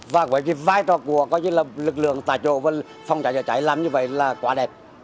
và cái vai trò của lực lượng tài trộn và phòng cháy chữa cháy làm như vậy là quá đẹp